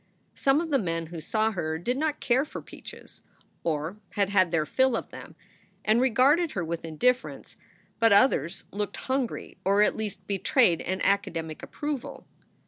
Some of the men who saw her did not care for peaches, or had had their fill of them, and regarded her with indifference . But others looked hungry, or at least betrayed an academic approval.